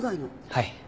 はい。